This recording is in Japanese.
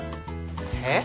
えっ？